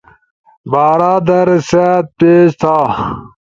بارا در، سأت، پیش تھا